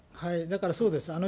だから、そうです。